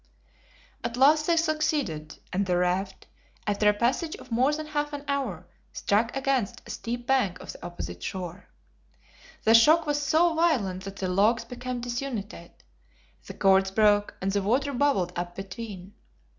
At last they succeeded, and the raft, after a passage of more than half an hour, struck against the steep bank of the opposite shore. The shock was so violent that the logs became disunited, the cords broke, and the water bubbled up between.